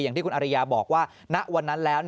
อย่างที่คุณอริยาบอกว่าณวันนั้นแล้ว